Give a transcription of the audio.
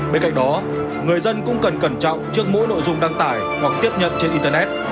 bên cạnh đó người dân cũng cần cẩn trọng trước mỗi nội dung đăng tải hoặc tiếp nhận trên internet